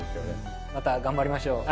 また頑張りましょう。